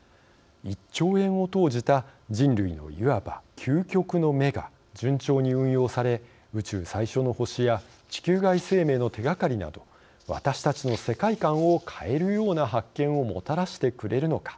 １兆円を投じた人類のいわば究極の目が順調に運用され宇宙最初の星や地球外生命の手がかりなど私たちの世界観を変えるような発見をもたらしてくれるのか。